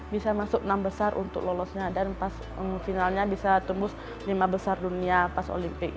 bisa masuk enam besar untuk lolosnya dan pas finalnya bisa tembus lima besar dunia pas olimpik